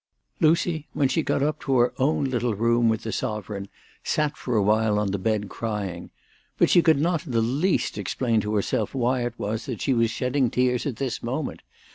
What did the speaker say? LUCY, when she got up to her own little room with the sovereign, sat for awhile on the bed, crying. But she could not in the least explain to herself why it was that she was shedding tears at this moment.